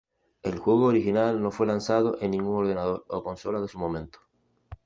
El juego original no fue lanzado en ningún ordenador o consola de su momento.